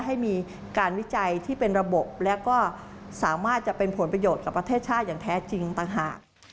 ให้มีการวิจัยที่เป็นระบบและก็สามารถจะเป็นผลประโยชน์กับประเทศชาติอย่างแท้จริงต่างหาก